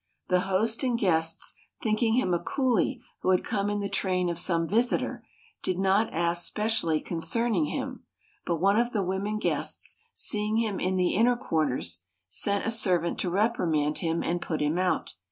The host and guests, thinking him a coolie who had come in the train of some visitor, did not ask specially concerning him, but one of the women guests, seeing him in the inner quarters, sent a servant to reprimand him and put him out.